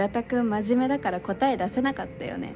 真面目だから答え出せなかったよね。